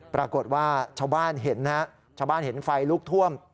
ปรากฏว่าชาวบ้านเห็นนะชาวบ้านเห็นไฟลุกท่วม